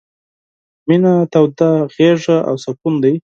— مينه توده غېږه او سکون دی...